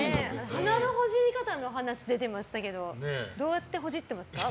鼻のほじり方の話が出てましたけどどうやってほじってますか？